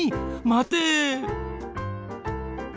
まて。